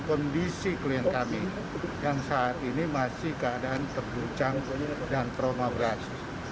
kondisi klien kami yang saat ini masih keadaan terguncang dan trauma beras